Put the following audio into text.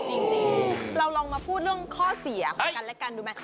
จริงเราลองมาพูดเรื่องข้อเสียของกันและกันดูไหม